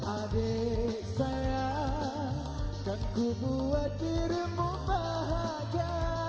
adik sayang kan ku buat dirimu bahagia